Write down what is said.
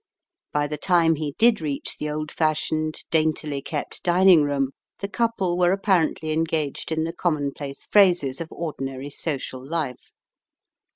By the time he did reach the old fashioned, daintily kept dining room, the couple were apparently engaged in the commonplace phrases of ordinary social life.